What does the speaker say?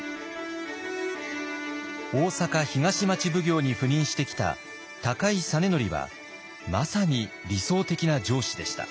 大坂東町奉行に赴任してきた高井実徳はまさに理想的な上司でした。